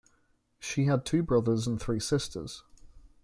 She had two brothers and three sisters.